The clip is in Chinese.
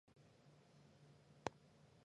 欧班日人口变化图示